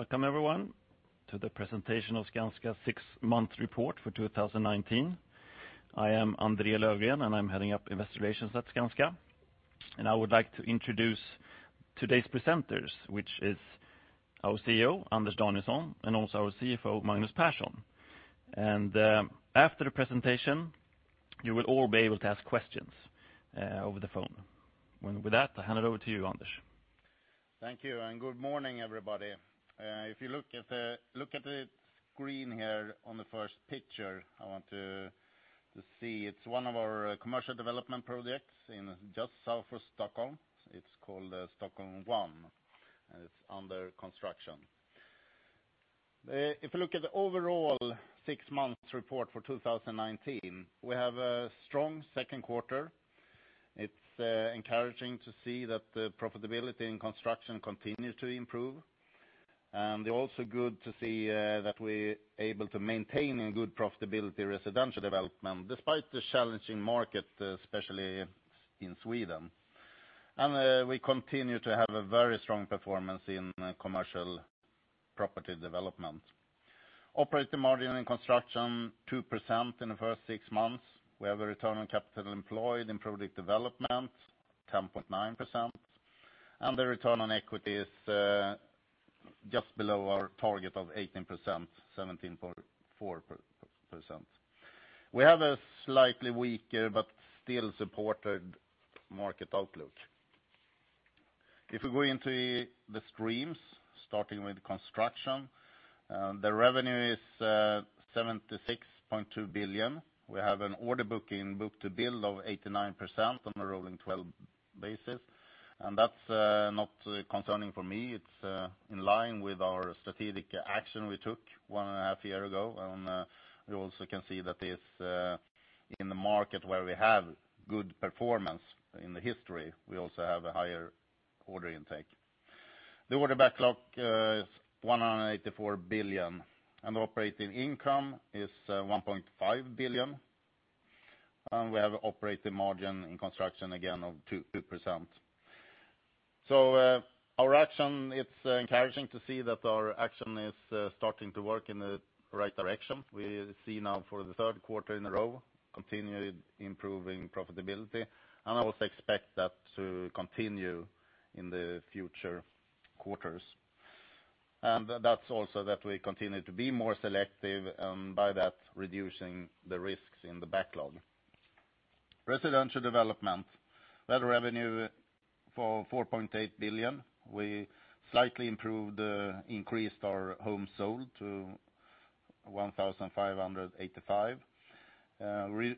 Welcome everyone to the presentation of Skanska's six-month report for 2019. I am André Löfgren, and I'm heading up Investor Relations at Skanska. And I would like to introduce today's presenters, which is our CEO, Anders Danielsson, and also our CFO, Magnus Persson. And after the presentation, you will all be able to ask questions over the phone. With that, I hand it over to you, Anders. Thank you, and good morning, everybody. If you look at the screen here on the first picture, I want to see. It's one of our commercial development projects in just south of Stockholm. It's called Stockholm 01, and it's under construction. If you look at the overall six-month report for 2019, we have a strong Q2. It's encouraging to see that the profitability in construction continues to improve. And it's also good to see that we're able to maintain a good profitability in Residential Development, despite the challenging market, especially in Sweden. And we continue to have a very strong performance in commercial property development. Operating margin in construction, 2% in the first six months. We have a return on capital employed in product development, 10.9%, and the return on equity is just below our target of 18%, 17.4%. We have a slightly weaker but still supported market outlook. If we go into the streams, starting with construction, the revenue is 76.2 billion. We have an order booking, book-to-build of 89% on a rolling twelve basis, and that's not concerning for me. It's in line with our strategic action we took 1.5 year ago. And we also can see that it's in the market where we have good performance in the history, we also have a higher order intake. The order backlog is 184 billion, and operating income is 1.5 billion. We have operating margin in construction, again, of 2%. So, our action, it's encouraging to see that our action is starting to work in the right direction. We see now for the Q3 in a row, continued improving profitability, and I also expect that to continue in the future quarters. And that's also that we continue to be more selective, by that, reducing the risks in the backlog. Residential Development. We had revenue for 4.8 billion. We slightly improved, increased our homes sold to 1,585.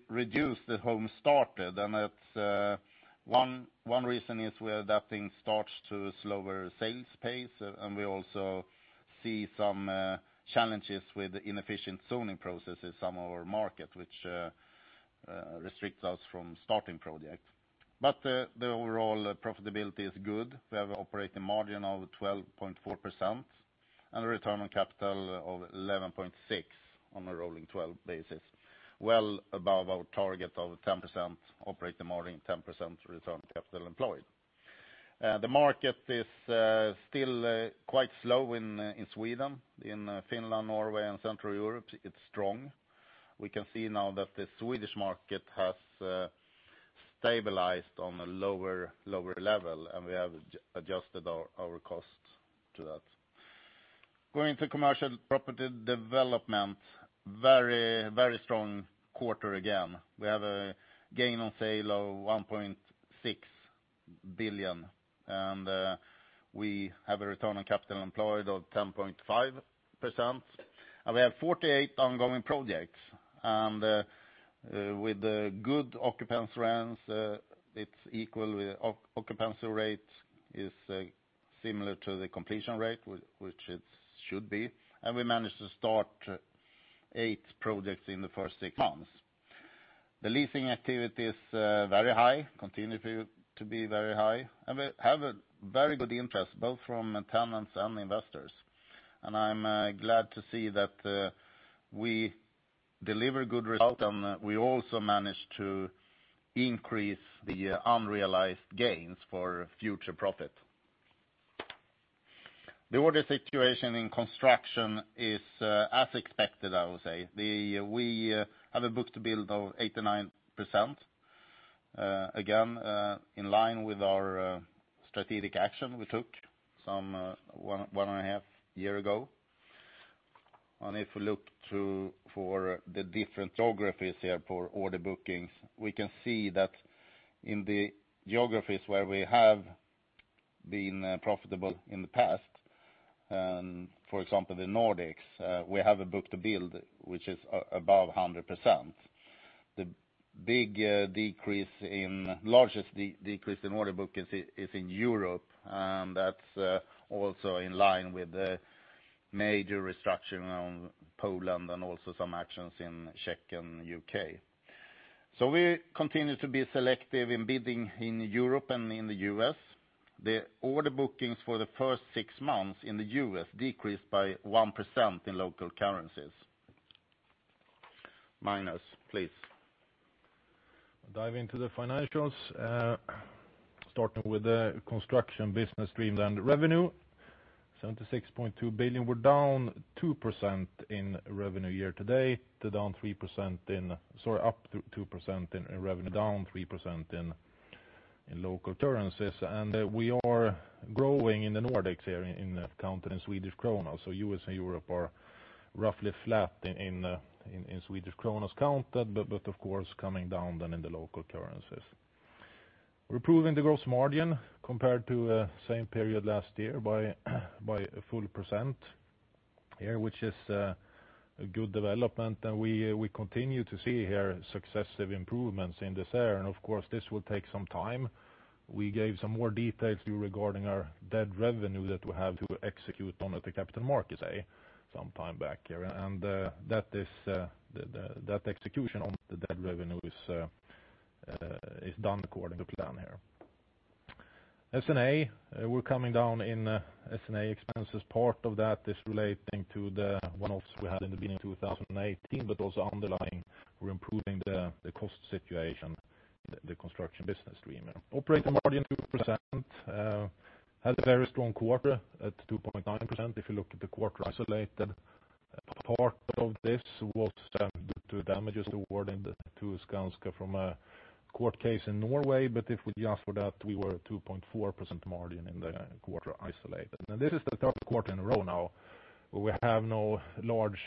Reduced the homes started, and that's one reason is we're adapting starts to slower sales pace, and we also see some challenges with inefficient zoning processes in some of our market, which restricts us from starting projects. But, the overall profitability is good. We have an operating margin of 12.4% and a return on capital of 11.6 on a rolling twelve basis, well above our target of 10% operating margin, 10% return on capital employed. The market is still quite slow in Sweden. In Finland, Norway, and Central Europe, it's strong. We can see now that the Swedish market has stabilized on a lower level, and we have adjusted our costs to that. Going to commercial property development, very strong quarter again. We have a gain on sale of 1.6 billion, and we have a return on capital employed of 10.5%. We have 48 ongoing projects, and with the good occupancy rents, it's equal with occupancy rate is similar to the completion rate, which it should be, and we managed to start eight projects in the first six months. The leasing activity is very high, continue to be very high, and we have a very good interest, both from tenants and investors. I'm glad to see that we deliver good result, and we also managed to increase the unrealized gains for future profit. The order situation in construction is as expected, I would say. We have a book-to-build of 89%, again, in line with our strategic action we took some one and a half years ago. And if we look through for the different geographies here for order bookings, we can see that in the geographies where we have been profitable in the past, for example, the Nordics, we have a book-to-build, which is above 100%. The largest decrease in order bookings is in Europe, and that's also in line with the major restructuring on Poland and also some actions in Czech and U.K. So we continue to be selective in bidding in Europe and in the U.S. The order bookings for the first six months in the U.S. decreased by 1% in local currencies. Magnus, please. Dive into the financials, starting with the construction business stream. The revenue, 76.2 billion. We're down 2% in revenue year to date, down 3% in—sorry, up 2% in revenue, down 3% in local currencies. We are growing in the Nordics here, counted in Swedish krona. US and Europe are roughly flat in Swedish krona counted, but, of course, coming down then in the local currencies. We're improving the gross margin compared to the same period last year by a full percent here, which is a good development. We continue to see here successive improvements in this area. Of course, this will take some time. We gave some more details regarding our dead revenue that we have to execute on at the capital markets some time back here. That execution on the dead revenue is done according to plan here. S&A, we're coming down in S&A expenses. Part of that is relating to the one-offs we had in the beginning of 2018, but also underlying, we're improving the cost situation, the construction business stream. Operating margin, 2%, had a very strong quarter at 2.9%, if you look at the quarter isolated. Part of this was due to damages awarded to Skanska from a court case in Norway. But if we adjust for that, we were at 2.4% margin in the quarter isolated. And this is the Q3 in a row now, where we have no large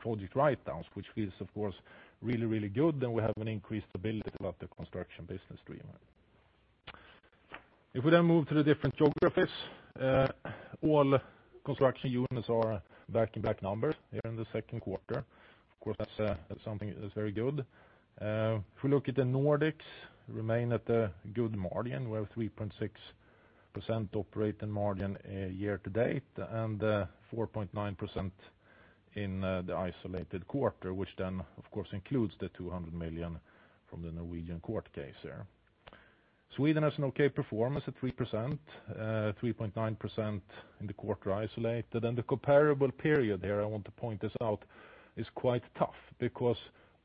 project write-downs, which feels, of course, really, really good, and we have an increased stability about the construction business stream. If we then move to the different geographies, all construction units are back in black numbers here in the Q2. Of course, that's something that's very good. If we look at the Nordics, remain at a good margin. We have 3.6% operating margin year to date, and 4.9% in the isolated quarter, which then, of course, includes the 200 million from the Norwegian court case there. Sweden has an okay performance at 3%, 3.9% in the quarter isolated. The comparable period here, I want to point this out, is quite tough, because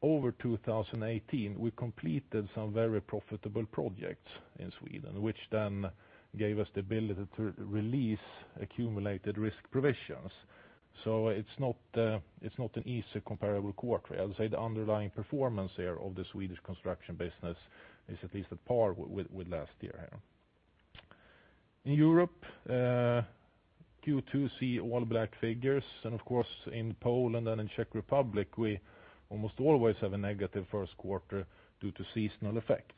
over 2018, we completed some very profitable projects in Sweden, which then gave us the ability to release accumulated risk provisions. So it's not, it's not an easy comparable quarter. I would say the underlying performance here of the Swedish construction business is at least at par with last year. In Europe, Q2 we see all black figures, and of course, in Poland and in Czech Republic, we almost always have a negative Q1 due to seasonal effects.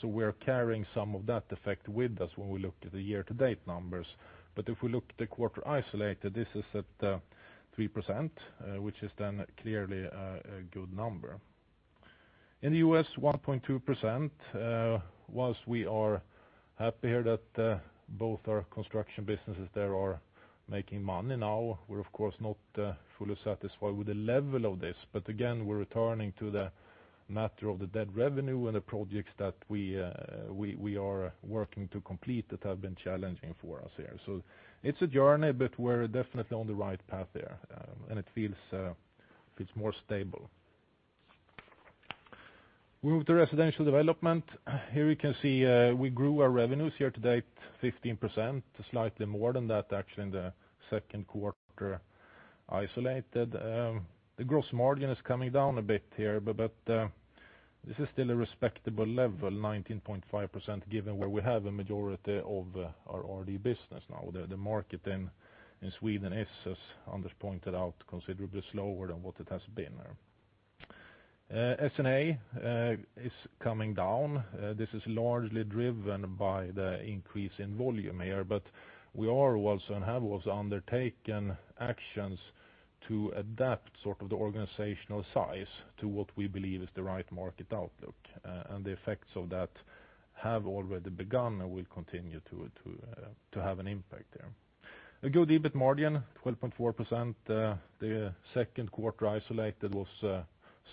So we're carrying some of that effect with us when we look at the year-to-date numbers. But if we look at the quarter isolated, this is at 3%, which is then clearly a good number. In the US, 1.2%, while we are happy here that both our construction businesses there are making money now, we're of course not fully satisfied with the level of this. But again, we're returning to the matter of the dead revenue and the projects that we are working to complete that have been challenging for us here. So it's a journey, but we're definitely on the right path there, and it feels more stable. We move to Residential Development. Here we can see we grew our revenues year to date 15%, slightly more than that, actually, in the Q2 isolated. The gross margin is coming down a bit here, but this is still a respectable level, 19.5%, given where we have a majority of our RD business now. The market in Sweden is, as Anders pointed out, considerably slower than what it has been. S&A is coming down. This is largely driven by the increase in volume here, but we are also, and have also undertaken actions to adapt sort of the organizational size to what we believe is the right market outlook. The effects of that have already begun and will continue to have an impact there. A good EBIT margin, 12.4%. The Q2 isolated was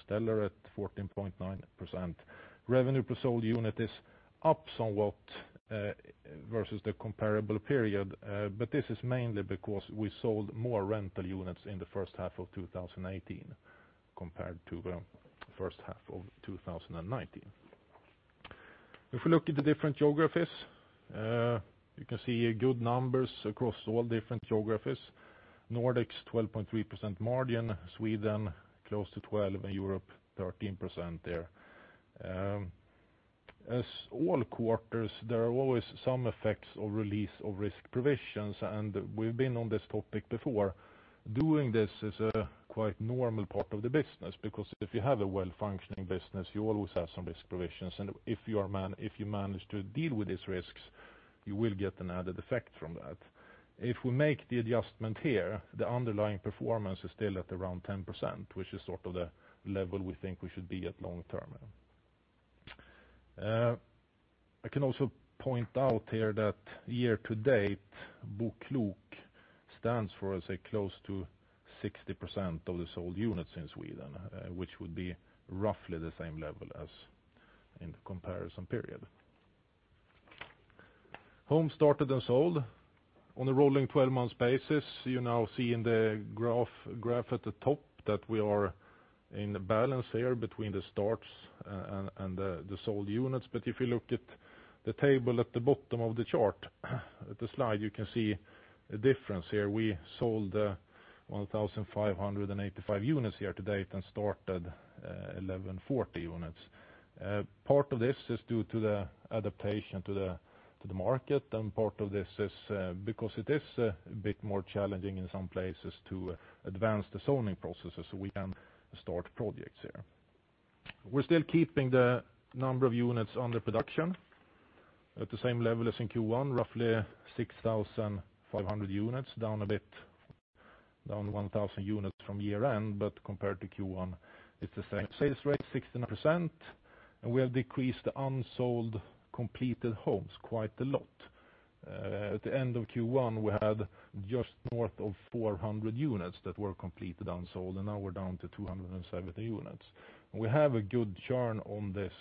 stellar at 14.9%. Revenue per sold unit is up somewhat versus the comparable period, but this is mainly because we sold more rental units in the first half of 2018, compared to the first half of 2019. If we look at the different geographies, you can see good numbers across all different geographies. Nordics, 12.3% margin, Sweden, close to 12, and Europe, 13% there. As all quarters, there are always some effects of release of risk provisions, and we've been on this topic before. Doing this is a quite normal part of the business, because if you have a well-functioning business, you always have some risk provisions. And if you manage to deal with these risks, you will get an added effect from that. If we make the adjustment here, the underlying performance is still at around 10%, which is sort of the level we think we should be at long term. I can also point out here that year to date, BoKlok stands for, I say, close to 60% of the sold units in Sweden, which would be roughly the same level as in the comparison period. Homes started and sold. On a rolling 12-month basis, you now see in the graph at the top that we are in the balance here between the starts and the sold units. But if you look at the table at the bottom of the chart, at the slide, you can see a difference here. We sold 1,585 units here to date and started 1,140 units. Part of this is due to the adaptation to the, to the market, and part of this is, because it is a, a bit more challenging in some places to advance the zoning processes, so we can start projects here. We're still keeping the number of units under production at the same level as in Q1, roughly 6,500 units, down a bit, down 1,000 units from year-end, but compared to Q1, it's the same. Sales rate, 69%, and we have decreased the unsold completed homes quite a lot. At the end of Q1, we had just north of 400 units that were completed unsold, and now we're down to 270 units. And we have a good churn on this,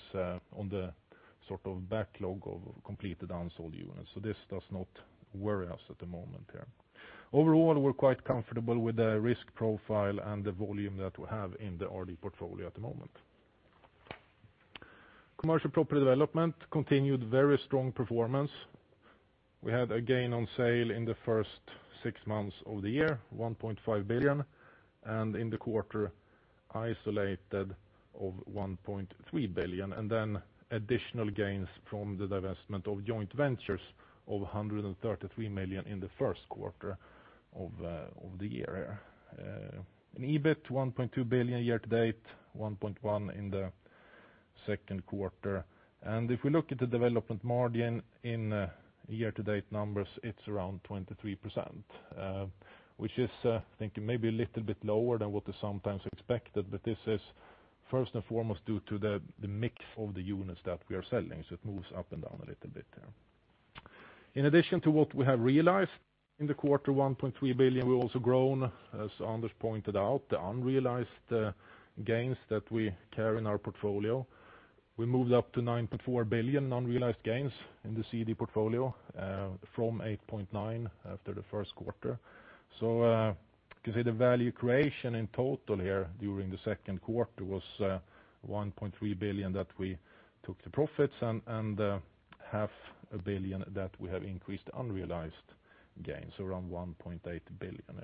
on the sort of backlog of completed unsold units, so this does not worry us at the moment here. Overall, we're quite comfortable with the risk profile and the volume that we have in the RD portfolio at the moment. Commercial property development continued very strong performance. We had a gain on sale in the first six months of the year, 1.5 billion, and in the quarter, isolated of 1.3 billion, and then additional gains from the divestment of joint ventures of 133 million in the Q1 of the year. In EBIT, 1.2 billion year to date, 1.1 billion in the Q2. If we look at the development margin in year-to-date numbers, it's around 23%, which is, I think, maybe a little bit lower than what is sometimes expected, but this is first and foremost due to the mix of the units that we are selling, so it moves up and down a little bit there. In addition to what we have realized in the quarter, 1.3 billion, we've also grown, as Anders pointed out, the unrealized gains that we carry in our portfolio. We moved up to 9.4 billion unrealized gains in the CD portfolio from 8.9 billion after the Q1. So, you can see the value creation in total here during the Q2 was 1.3 billion that we took the profits and half a billion that we have increased unrealized gains, so around 1.8 billion.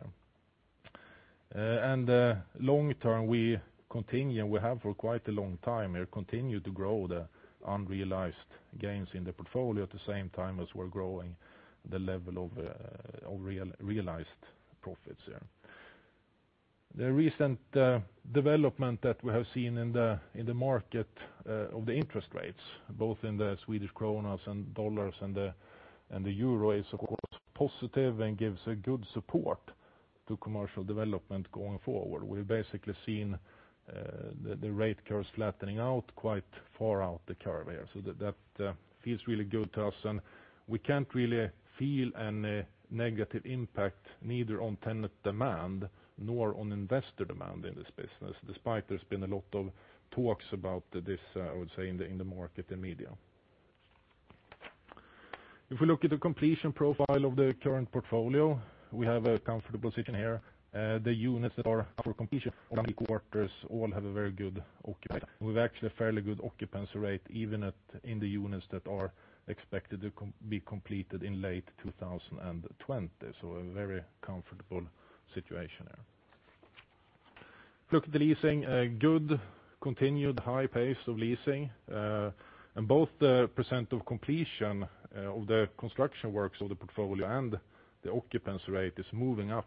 And long term, we continue, and we have for quite a long time here, continued to grow the unrealized gains in the portfolio at the same time as we're growing the level of realized profits there. The recent development that we have seen in the market of the interest rates, both in the Swedish krona and dollar and the euro, is of course positive and gives a good support to commercial development going forward. We've basically seen the rate curve flattening out quite far out the curve here, so that feels really good to us. And we can't really feel any negative impact, neither on tenant demand nor on investor demand in this business, despite there's been a lot of talks about this, I would say, in the market and media. If we look at the completion profile of the current portfolio, we have a comfortable position here. The units that are for completion quarters all have a very good occupancy. We've actually a fairly good occupancy rate, even in the units that are expected to be completed in late 2020, so a very comfortable situation there. Look at the leasing, a good continued high pace of leasing, and both the percent of completion, of the construction works of the portfolio and the occupancy rate is moving up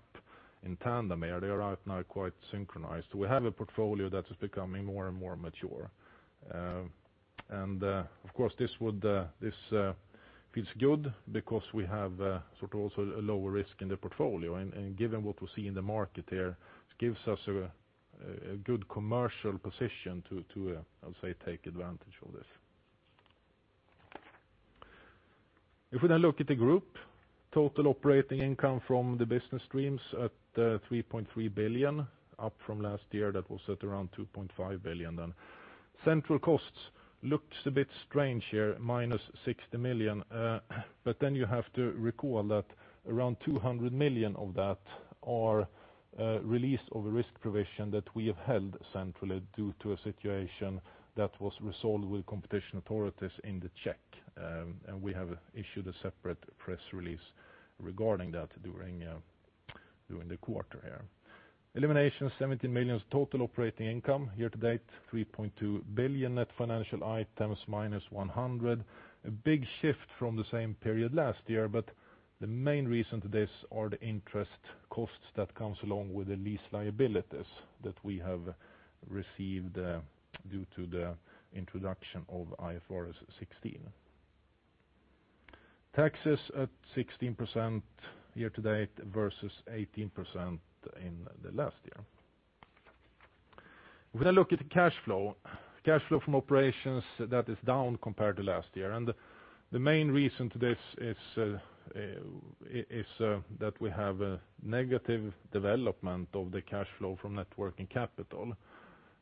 in tandem. They are right now quite synchronized. We have a portfolio that is becoming more and more mature. And, of course, this feels good because we have, sort of also a lower risk in the portfolio, and given what we see in the market here, it gives us a good commercial position to, I would say, take advantage of this. If we now look at the group, total operating income from the business streams at 3.3 billion, up from last year, that was at around 2.5 billion then. Central costs looks a bit strange here, -60 million, but then you have to recall that around 200 million of that are release of a risk provision that we have held centrally due to a situation that was resolved with competition authorities in the Czech. And we have issued a separate press release regarding that during the quarter here. Elimination, 17 million. Total operating income year to date, 3.2 billion. Net financial items, -100 million. A big shift from the same period last year, but the main reason to this are the interest costs that comes along with the lease liabilities that we have received due to the introduction of IFRS 16. Taxes at 16% year to date versus 18% in the last year. If we now look at the cash flow, cash flow from operations, that is down compared to last year. And the main reason to this is that we have a negative development of the cash flow from net working capital.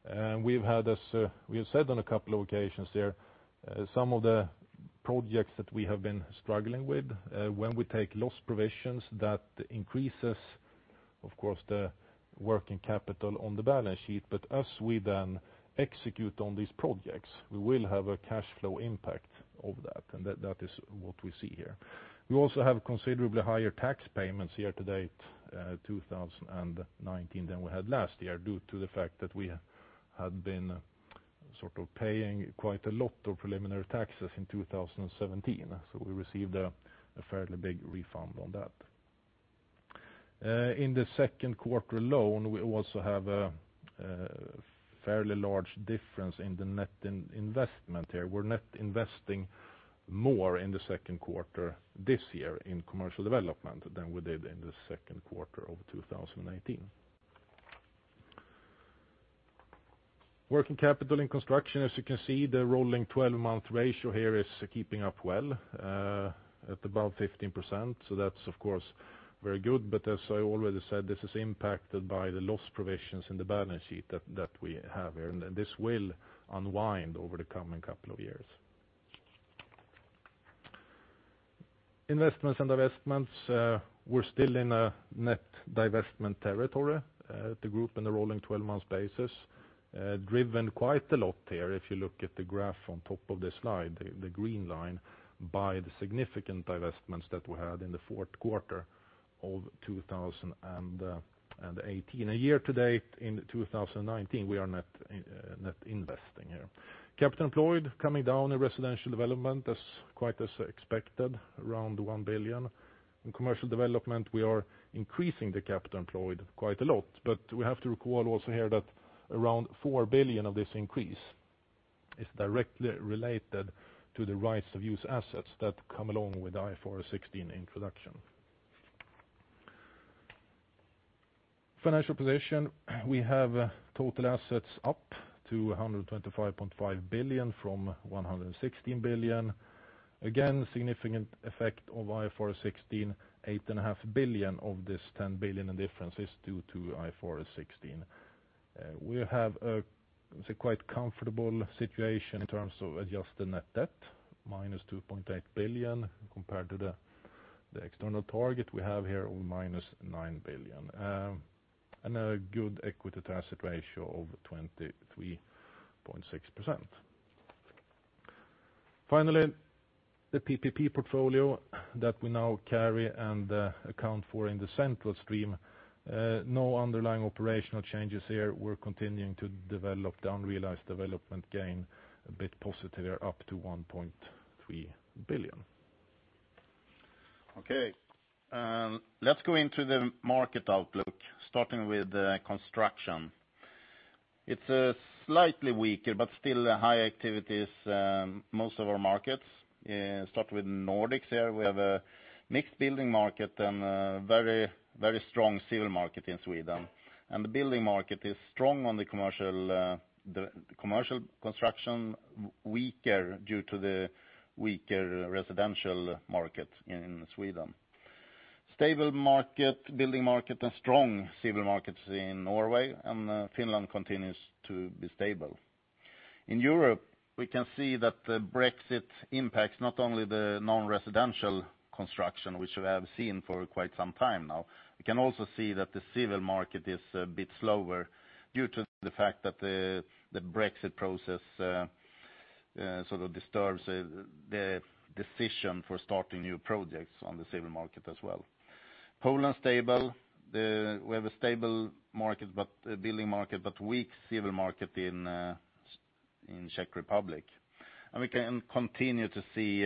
And we've had, as we have said on a couple of occasions here, some of the projects that we have been struggling with, when we take loss provisions, that increases, of course, the working capital on the balance sheet. But as we then execute on these projects, we will have a cash flow impact of that, and that is what we see here. We also have considerably higher tax payments year-to-date 2019 than we had last year, due to the fact that we had been sort of paying quite a lot of preliminary taxes in 2017, so we received a fairly big refund on that. In the Q2 alone, we also have a fairly large difference in the net investment here. We're net investing more in the Q2 this year in commercial development than we did in the Q2 of 2019. Working capital in construction, as you can see, the rolling 12-month ratio here is keeping up well at about 15%, so that's, of course, very good. But as I already said, this is impacted by the loss provisions in the balance sheet that we have here, and this will unwind over the coming couple of years. Investments and divestments, we're still in a net divestment territory, the group on a rolling 12-months basis, driven quite a lot here, if you look at the graph on top of this slide, the green line, by the significant divestments that we had in the Q4 of 2018. A year to date in 2019, we are net, net investing here. Capital employed, coming down in Residential Development as quite as expected, around 1 billion. In commercial development, we are increasing the capital employed quite a lot, but we have to recall also here that around 4 billion of this increase is directly related to the right-of-use assets that come along with IFRS 16 introduction. Financial position, we have total assets up to 125.5 billion from 116 billion. Again, significant effect of IFRS 16, 8.5 billion of this 10 billion in difference is due to IFRS 16. We have a, it's a quite comfortable situation in terms of adjusted net debt, -2.8 billion compared to the external target we have here of -9 billion, and a good equity to asset ratio of 23.6%. Finally, the PPP portfolio that we now carry and account for in the central stream, no underlying operational changes here. We're continuing to develop the unrealized development gain a bit positive up to 1.3 billion. Okay, and let's go into the market outlook, starting with the construction. It's slightly weaker, but still high activities most of our markets. Start with Nordics here. We have a mixed building market and a very, very strong civil market in Sweden. The building market is strong on the commercial, the commercial construction, weaker due to the weaker residential market in Sweden. Stable market, building market, and strong civil markets in Norway, and Finland continues to be stable. In Europe, we can see that the Brexit impacts not only the non-residential construction, which we have seen for quite some time now. We can also see that the civil market is a bit slower due to the fact that the Brexit process sort of disturbs the decision for starting new projects on the civil market as well. Poland, stable. We have a stable market, but building market, but weak civil market in Czech Republic. We can continue to see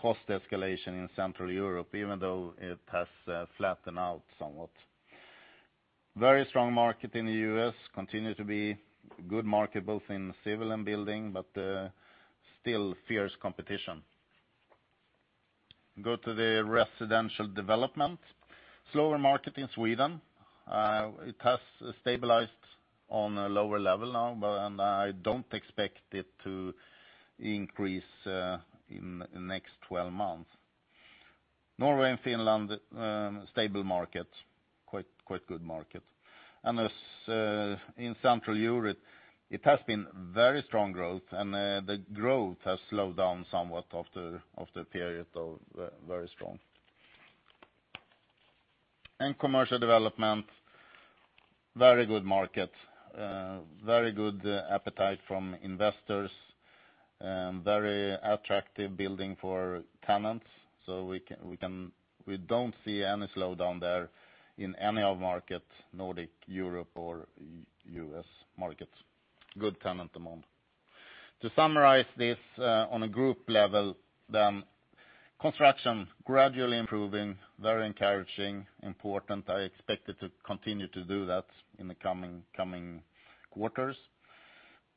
cost escalation in Central Europe, even though it has flattened out somewhat. Very strong market in the US, continue to be good market both in civil and building, but still fierce competition. Go to the Residential Development. Slower market in Sweden. It has stabilized on a lower level now, but and I don't expect it to increase in next 12 months. Norway and Finland, stable markets, quite, quite good market. And as in Central Europe, it has been very strong growth, and the growth has slowed down somewhat after a period of very strong. In commercial development, very good market, very good appetite from investors, very attractive building for tenants, so we don't see any slowdown there in any of market, Nordic, Europe, or US markets. Good tenant demand. To summarize this, on a group level, then, construction gradually improving, very encouraging, important. I expect it to continue to do that in the coming quarters.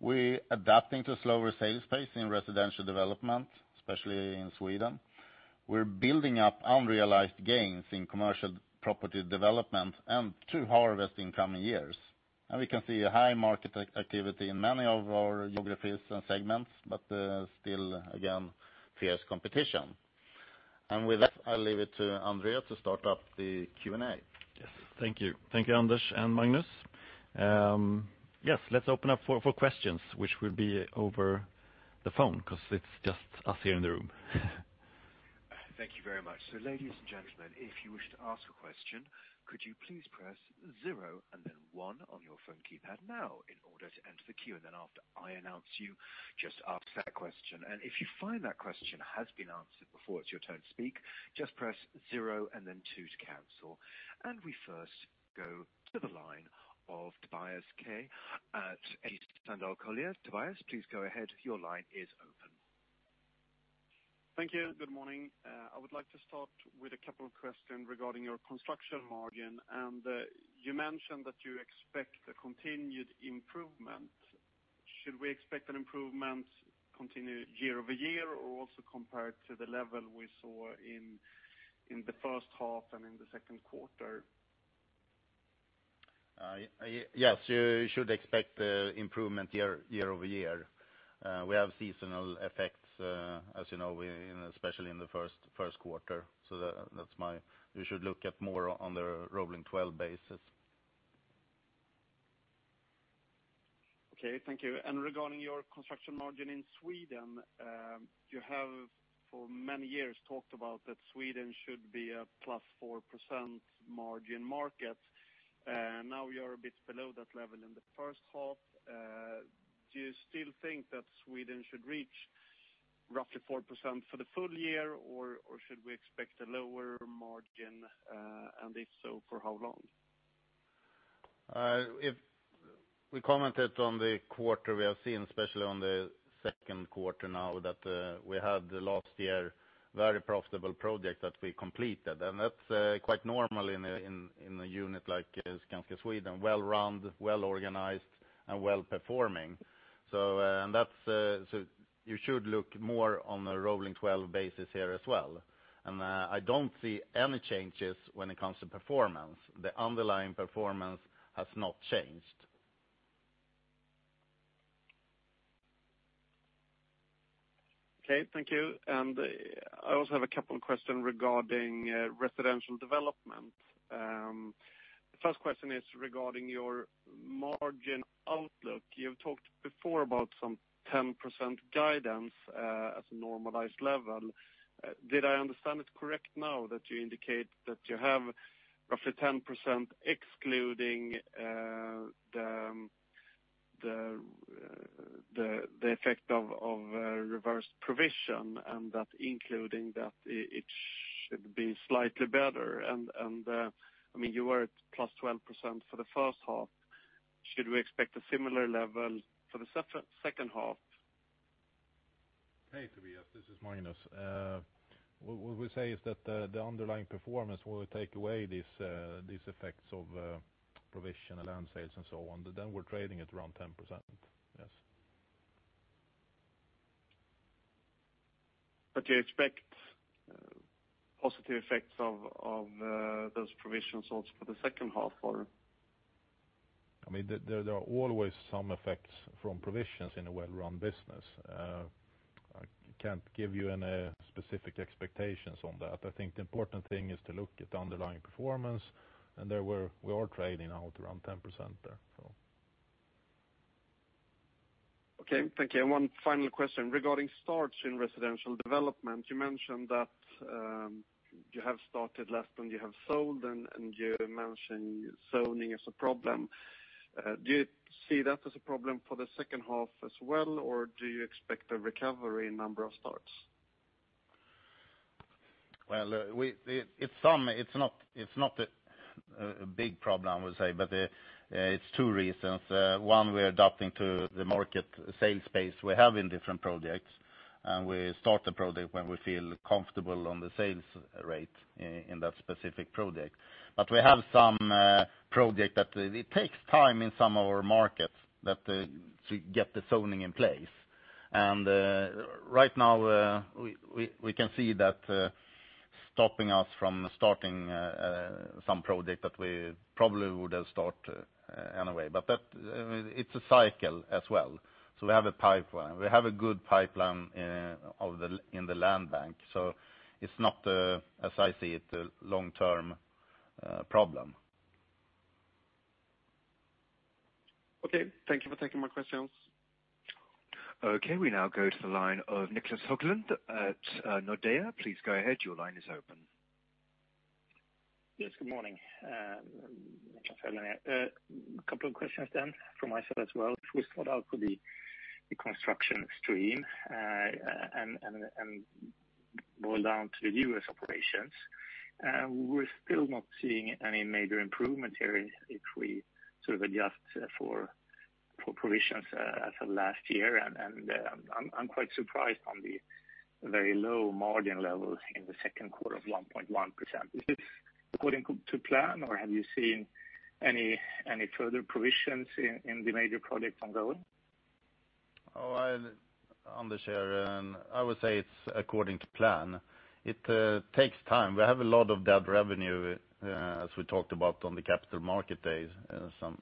We're adapting to slower sales pace in Residential Development, especially in Sweden. We're building up unrealized gains in commercial property development and to harvest in coming years. And we can see a high market activity in many of our geographies and segments, but still, again, fierce competition. And with that, I'll leave it to André to start up the Q&A. Yes, thank you. Thank you, Anders and Magnus. Yes, let's open up for, for questions, which will be over the phone, because it's just us here in the room. Thank you very much. So, ladies and gentlemen, if you wish to ask a question, could you please press zero and then one on your phone keypad now in order to enter the queue. And then after I announce you, just ask that question. And if you find that question has been answered before it's your turn to speak, just press zero and then two to cancel. And we first go to the line of Tobias Kaj at ABG Sundal Collier. Tobias, please go ahead. Your line is open. Thank you. Good morning. I would like to start with a couple of questions regarding your construction margin. You mentioned that you expect a continued improvement. Should we expect an improvement continue year-over-year, or also compared to the level we saw in the first half and in the Q2? Yes, you should expect improvement year-over-year. We have seasonal effects, as you know, especially in the Q1. That's my—you should look at more on the rolling twelve basis. Okay, thank you. And regarding your construction margin in Sweden, you have, for many years, talked about that Sweden should be a +4% margin market. Now you are a bit below that level in the first half. Do you still think that Sweden should reach roughly 4% for the full year, or should we expect a lower margin? And if so, for how long? If we commented on the quarter, we have seen, especially on the Q2 now, that we had last year, very profitable project that we completed. And that's quite normal in a unit like Skanska Sweden, well-run, well organized, and well performing. So you should look more on the rolling twelve basis here as well. And I don't see any changes when it comes to performance. The underlying performance has not changed. Okay, thank you. And, I also have a couple of questions regarding Residential Development. The first question is regarding your margin outlook. You've talked before about some 10% guidance at a normalized level. Did I understand it correct now, that you indicate that you have roughly 10%, excluding the effect of reverse provision, and that including that, it should be slightly better? And, I mean, you were at +12% for the first half. Should we expect a similar level for the second half? Hey, Tobias, this is Magnus. What we say is that the underlying performance will take away these effects of provision and land sales, and so on. Then we're trading at around 10%. Yes. But you expect positive effects of those provisions also for the second half or? I mean, there, there are always some effects from provisions in a well-run business. I can't give you any specific expectations on that. I think the important thing is to look at the underlying performance, and there we're, we are trading out around 10% there, so. Okay, thank you. One final question. Regarding starts in Residential Development, you mentioned that you have started less than you have sold, and you mentioned zoning is a problem. Do you see that as a problem for the second half as well, or do you expect a recovery in number of starts? Well, it's some, it's not a big problem, I would say, but it's two reasons. One, we are adapting to the market sales pace we have in different projects, and we start the project when we feel comfortable on the sales rate in that specific project. But we have some project that it takes time in some of our markets that to get the zoning in place. And right now we can see that stopping us from starting some project that we probably would have start anyway. But that it's a cycle as well. So we have a pipeline. We have a good pipeline of in the land bank, so it's not as I see it, a long-term problem. Okay, thank you for taking my questions. Okay, we now go to the line of Niclas Höglund at Nordea. Please go ahead. Your line is open. Yes, good morning, Niclas Höglund here. A couple of questions then from myself as well. If we start out with the construction stream, and more down to the U.S. operations, we're still not seeing any major improvement here if we sort of adjust for provisions as of last year. And, I'm quite surprised on the very low margin levels in the Q2 of 1.1%. Is this according to plan, or have you seen any further provisions in the major projects ongoing? Oh, Anders here, and I would say it's according to plan. It takes time. We have a lot of debt revenue, as we talked about on the capital market days, some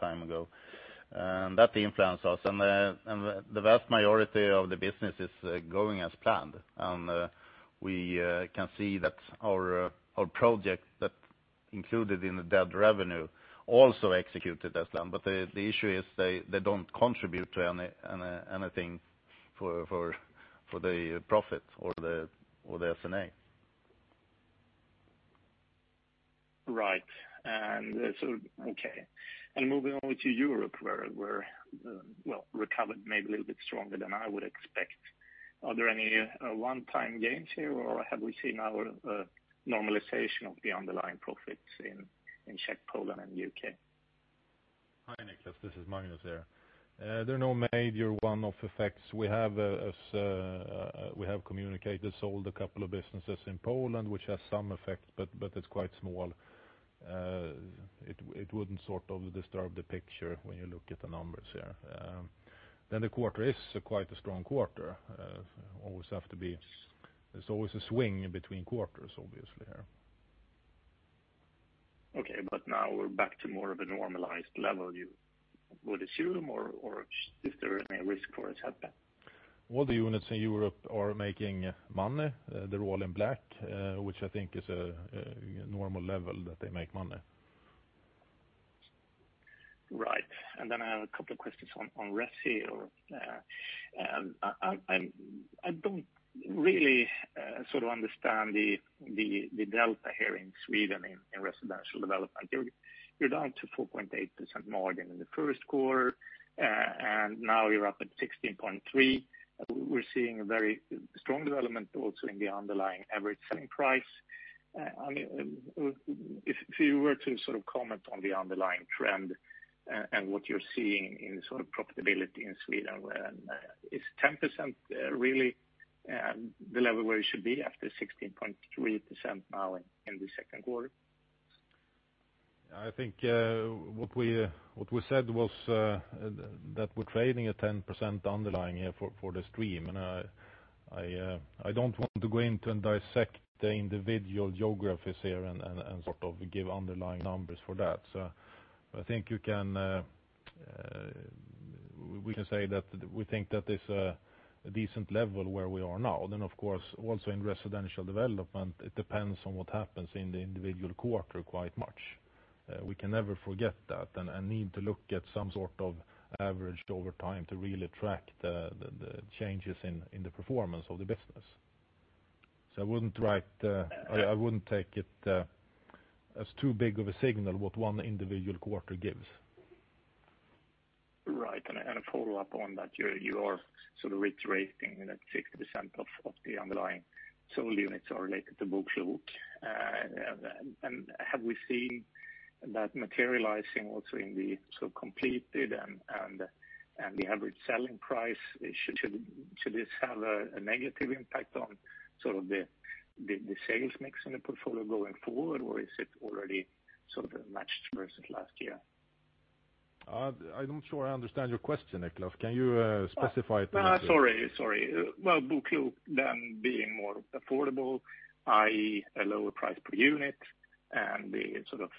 time ago, and that influence us. And the vast majority of the business is going as planned. And we can see that our project that included in the debt revenue also executed as them, but the issue is they don't contribute to anything for the profit or the S&A. Right. And so, okay. And moving on to Europe, where, well, recovered maybe a little bit stronger than I would expect. Are there any one-time gains here, or have we seen now a normalization of the underlying profits in Czech, Poland, and UK? Hi, Niclas, this is Magnus here. There are no major one-off effects. We have, as we have communicated, sold a couple of businesses in Poland, which has some effect, but, but it's quite small. It wouldn't sort of disturb the picture when you look at the numbers here. Then the quarter is quite a strong quarter. Always have to be. There's always a swing between quarters, obviously, here. Okay, but now we're back to more of a normalized level, you would assume, or, or is there any risk for it to happen? All the units in Europe are making money. They're all in black, which I think is a normal level that they make money. Right. And then I have a couple of questions on Resi. I don't really sort of understand the delta here in Sweden in Residential Development. You're down to 4.8% margin in the Q1, and now you're up at 16.3%. We're seeing a very strong development also in the underlying average selling price. I mean, if you were to sort of comment on the underlying trend, and what you're seeing in sort of profitability in Sweden, is 10%, really the level where you should be after 16.3% now in the Q2? I think what we said was that we're trading at 10% underlying here for the stream. And I don't want to go into and dissect the individual geographies here and sort of give underlying numbers for that. So I think you can, we can say that we think that there's a decent level where we are now. Then, of course, also in Residential Development, it depends on what happens in the individual quarter quite much. We can never forget that, and need to look at some sort of averaged over time to really track the changes in the performance of the business. So I wouldn't write. Yeah. I wouldn't take it as too big of a signal what one individual quarter gives. Right. And a follow-up on that, you are sort of reiterating that 60% of the underlying sold units are related to BoKlok. And have we seen that materializing also in the sort of completed and the average selling price? Should this have a negative impact on sort of the sales mix in the portfolio going forward, or is it already sort of matched versus last year? I'm not sure I understand your question, Niclas. Can you specify it? Sorry, sorry. Well, BoKlok then being more affordable, i.e., a lower price per unit, and the sort of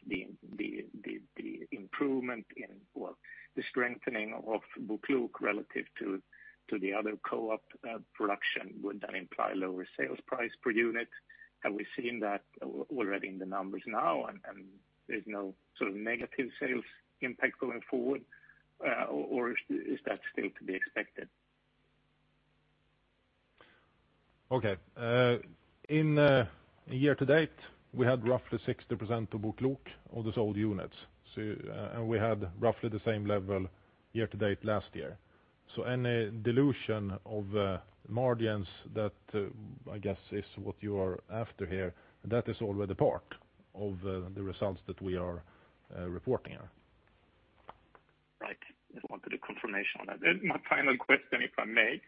improvement in or the strengthening of BoKlok relative to the other co-op production, would that imply lower sales price per unit? Have we seen that already in the numbers now, and there's no sort of negative sales impact going forward, or is that still to be expected? Okay. In year to date, we had roughly 60% to BoKlok of the sold units. So, and we had roughly the same level year to date last year. So any dilution of margins that I guess is what you are after here, that is already part of the results that we are reporting on. Right. Just wanted a confirmation on that. Then my final question, if I may,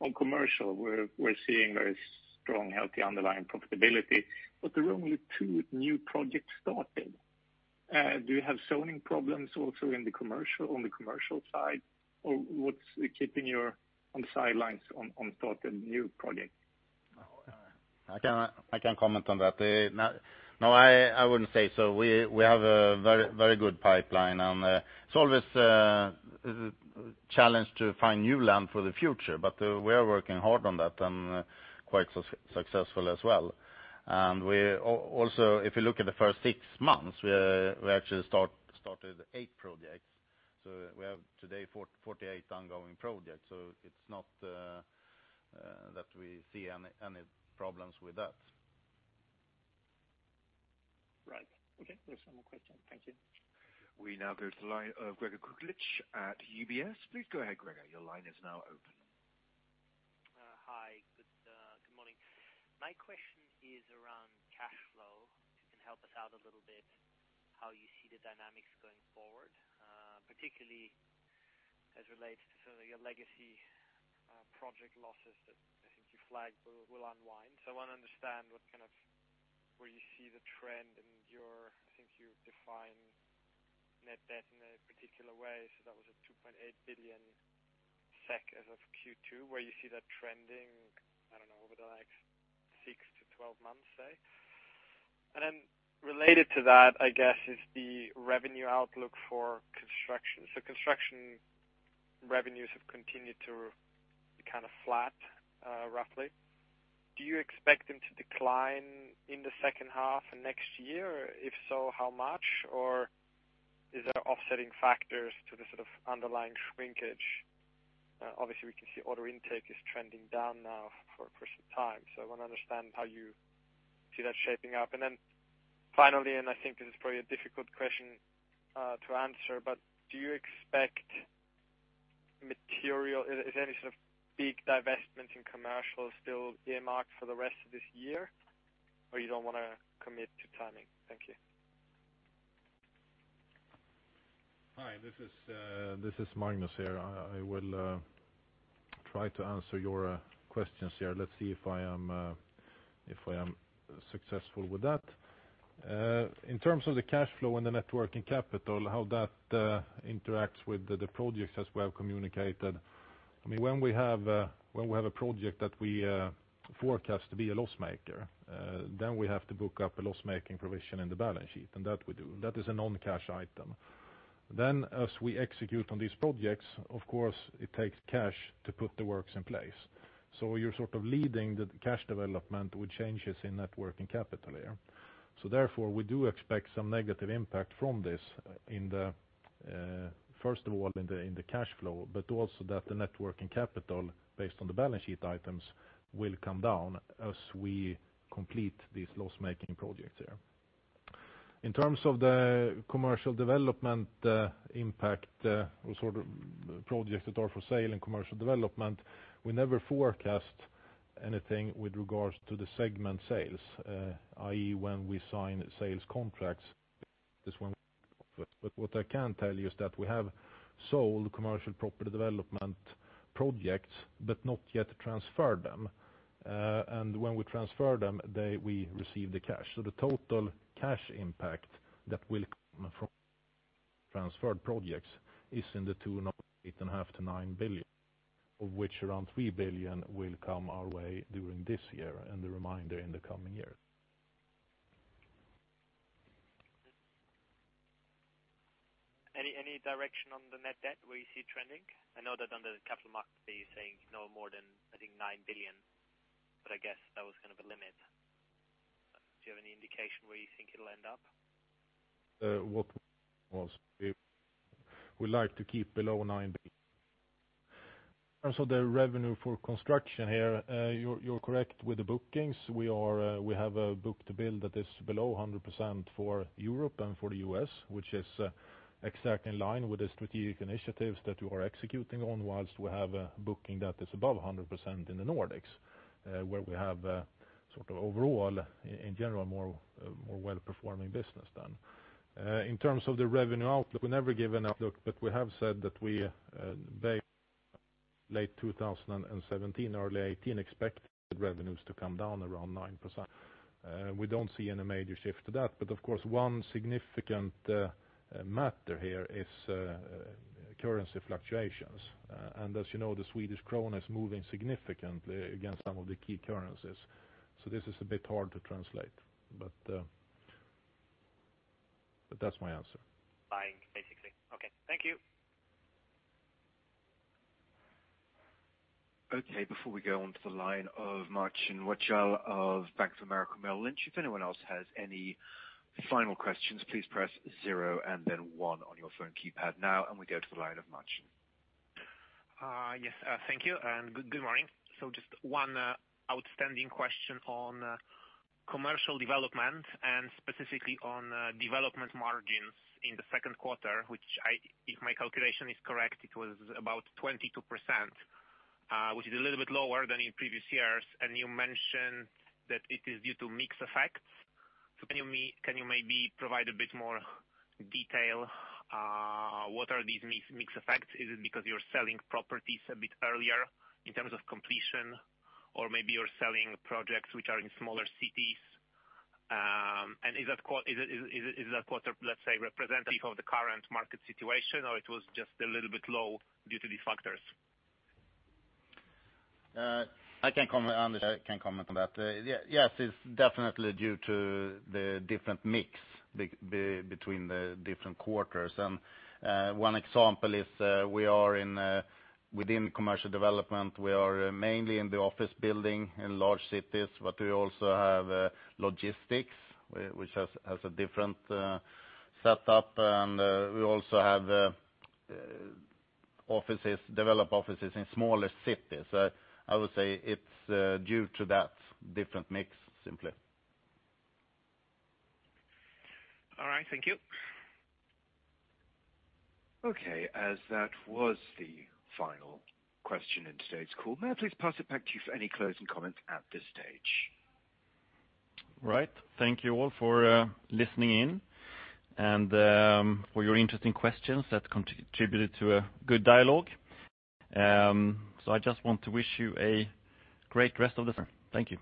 on commercial, we're seeing very strong, healthy, underlying profitability, but there are only two new projects started. Do you have zoning problems also in the commercial, on the commercial side? Or what's keeping you on the sidelines on starting new projects? I can, I can comment on that. No, I, I wouldn't say so. We, we have a very, very good pipeline, and it's always a challenge to find new land for the future, but we are working hard on that and quite successful as well. And we also, if you look at the first six months, we, we actually started eight projects. So we have today 48 ongoing projects, so it's not that we see any, any problems with that. Right. Okay, there's no more question. Thank you. We now go to the line of Gregor Kuglitsch at UBS. Please go ahead, Gregor, your line is now open. Hi, good morning. My question is around cash flow. If you can help us out a little bit, how you see the dynamics going forward, particularly as it relates to sort of your legacy project losses that I think you flagged will unwind. So, I want to understand what kind of, where you see the trend in your, I think you define net debt in a particular way. So that was 2.8 billion SEK as of Q2, where you see that trending, I don't know, over the next 6-12 months, say. And then related to that, I guess, is the revenue outlook for construction. So, construction revenues have continued to be kind of flat, roughly. Do you expect them to decline in the second half of next year? If so, how much? Or is there offsetting factors to the sort of underlying shrinkage? Obviously, we can see order intake is trending down now for a period of time, so I want to understand how you see that shaping up. And then finally, and I think this is probably a difficult question, to answer, but do you expect material-- Is, is any sort of big divestment in commercial still earmarked for the rest of this year, or you don't want to commit to timing? Thank you. Hi, this is Magnus here. I will try to answer your questions here. Let's see if I am successful with that. In terms of the cash flow and the net working capital, how that interacts with the projects, as we have communicated. I mean, when we have a project that we forecast to be a loss maker, then we have to book up a loss-making provision in the balance sheet, and that we do. That is a non-cash item. Then, as we execute on these projects, of course, it takes cash to put the works in place. So, you're sort of leading the cash development with changes in net working capital there. So therefore, we do expect some negative impact from this in the, first of all, in the, in the cash flow, but also that the net working capital, based on the balance sheet items, will come down as we complete these loss-making projects here. In terms of the commercial development, impact, or sort of projects that are for sale and commercial development, we never forecast anything with regards to the segment sales, i.e., when we sign sales contracts, this one. But what I can tell you is that we have sold commercial property development projects but not yet transferred them. And when we transfer them, we receive the cash. So the total cash impact that will come from transferred projects is 2.5 billion-9 billion, of which around 3 billion will come our way during this year, and the remainder in the coming years. Any, any direction on the net debt, where you see it trending? I know that under the capital market, you're saying no more than, I think, 9 billion, but I guess that was kind of a limit. Do you have any indication where you think it'll end up? We like to keep below SEK 9 billion. Also, the revenue for construction here, you're, you're correct with the bookings. We are, we have a book-to-bill that is below 100% for Europe and for the US, which is exactly in line with the strategic initiatives that we are executing on, while we have a booking that is above 100% in the Nordics, where we have sort of overall, in general, more, more well-performing business done. In terms of the revenue outlook, we never give an outlook, but we have said that we late 2017, early 2018, expect the revenues to come down around 9%. We don't see any major shift to that, but of course, one significant matter here is currency fluctuations. As you know, the Swedish krona is moving significantly against some of the key currencies, so this is a bit hard to translate. But that's my answer. Fine, basically. Okay, thank you. Okay, before we go on to the line of Marcin Wojtal of Bank of America Merrill Lynch, if anyone else has any final questions, please press zero and then one on your phone keypad now, and we go to the line of Marcin. Yes, thank you, and good morning. So just one outstanding question on commercial development, and specifically on development margins in the Q2, which, if my calculation is correct, it was about 22%, which is a little bit lower than in previous years. And you mentioned that it is due to mix effects. So, can you maybe provide a bit more detail? What are these mix effects? Is it because you're selling properties a bit earlier in terms of completion, or maybe you're selling projects which are in smaller cities? And is that quarter, let's say, representative of the current market situation, or it was just a little bit low due to these factors? I can comment on this. I can comment on that. Yes, it's definitely due to the different mix between the different quarters. One example is, we are in, within commercial development, we are mainly in the office building in large cities, but we also have logistics, which has a different setup, and we also have offices, developed offices in smaller cities. So, I would say it's due to that different mix, simply. All right, thank you. Okay, as that was the final question in today's call, may I please pass it back to you for any closing comments at this stage? Right. Thank you all for listening in and for your interesting questions that contributed to a good dialogue. So, I just want to wish you a great rest of the day. Thank you.